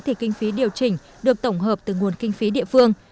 thì kinh phí điều chỉnh được tổng hợp từ nguồn kinh phí địa phương